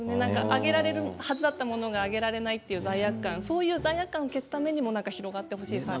あげられるものがあげられなかったという罪悪感そういう罪悪感を消すためにも広がってほしいです。